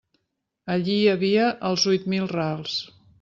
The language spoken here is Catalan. Allí hi havia els huit mil rals.